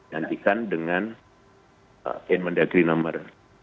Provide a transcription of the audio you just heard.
gantikan dengan endangri nomor